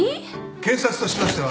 検察としましては。